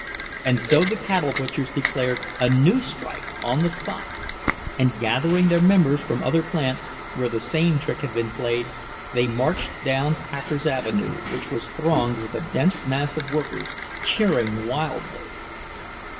And so the cattle butchers declared a new strike on the spot; and gathering their members from the other plants, where the same trick had been played, they marched down Packers' Avenue, which was thronged with a dense mass of workers, cheering wildly.